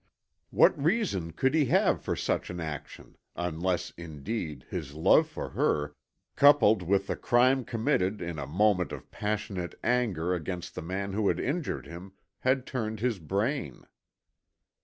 What reason could he have for such an action, unless indeed, his love for her, coupled with the crime committed in a moment of passionate anger against the man who had injured him, had turned his brain.